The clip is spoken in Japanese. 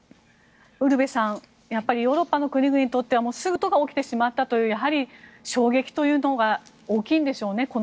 ウルヴェさんヨーロッパの国々にとってはすぐ近くでこんなことが起きてしまったというやはり、衝撃というのが大きいんでしょうね。